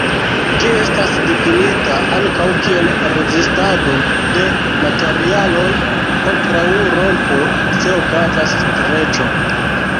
Ĝi estas difinita ankaŭ kiel rezistado de materialoj kontraŭ rompo se okazas streĉo.